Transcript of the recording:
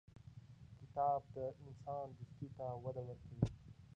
کتاب د انسان دوستي ته وده ورکوي.